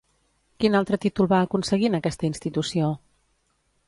Quin altre títol va aconseguir en aquesta institució?